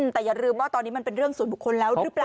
แต่อย่าลืมว่าตอนนี้มันเป็นเรื่องส่วนบุคคลแล้วหรือเปล่า